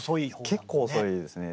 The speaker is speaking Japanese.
結構遅いですね。